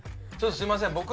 ちょっとすみません